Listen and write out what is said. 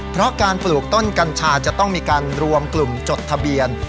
เพราะการปลูกต้นกัญชาจะต้องมีการรวมกลุ่มจดทะเบียน